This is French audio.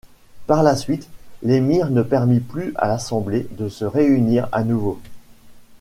Par la suite, l’Émir ne permis plus à l'Assemblée de se réunir à nouveau.